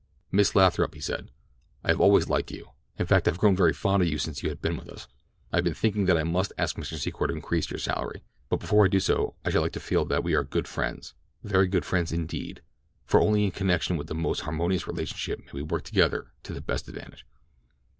"Miss Lathrop," he said, "I have always liked you—in fact, I have grown very fond of you since you have been with us. I have been thinking that I must ask Mr. Secor to increase your salary; but before I do so I should like to feel that we are good friends—very good friends indeed, for only in connection with the most harmonious relations may we work together to the best advantage."